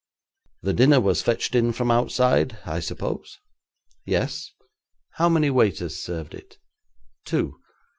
'The dinner was fetched in from outside, I suppose?' 'Yes.' 'How many waiters served it?' 'Two.